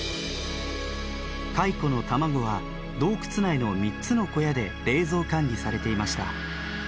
蚕の卵は洞窟内の３つの小屋で冷蔵管理されていました。